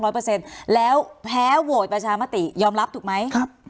เปอร์เซ็นต์แล้วแพ้โหวตประชามติยอมรับถูกไหมครับ